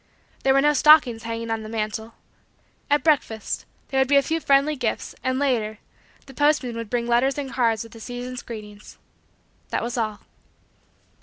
There were no stockings hanging on the mantle. At breakfast, there would be a few friendly gifts and, later, the postman would bring letters and cards with the season's greetings. That was all.